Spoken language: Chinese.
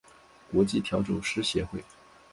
国际调酒师协会